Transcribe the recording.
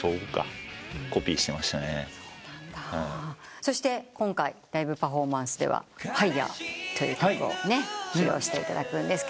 そして今回ライブパフォーマンスでは『ＨＩＧＨＥＲ』という曲を披露していただくんですが。